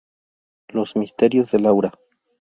Los misterios de Laura.